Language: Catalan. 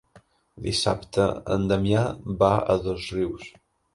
Dissabte en Damià va a Dosrius.